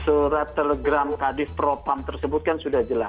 surat telegram kadif propam tersebut kan sudah jelas